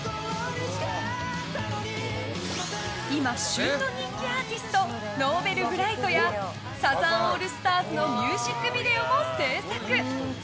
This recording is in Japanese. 今、旬の人気アーティストＮｏｖｅｌｂｒｉｇｈｔやサザンオールスターズのミュージックビデオも制作。